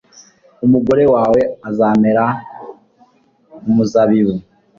umugore wawe azamera nk'umuzabibu